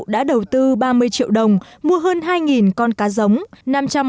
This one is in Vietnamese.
đã đầu tư ba mươi triệu đồng mua hơn hai con cá giống năm trăm linh gốc cam